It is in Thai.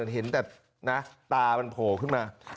เห็นแต่นะตามันโผล่ขึ้นมา